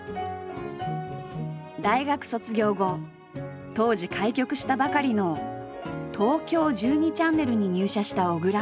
大学卒業後当時開局したばかりの東京１２チャンネルに入社した小倉。